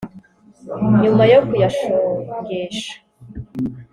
nyuma yo kuyashongesha